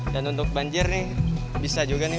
dan untuk banjir nih bisa juga nih